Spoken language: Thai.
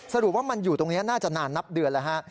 สรุปว่ามันอยู่ตรงนี้น่าจะนานนับเดือนแล้วฮะ